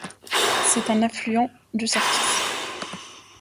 C'est un affluent du Sartiș.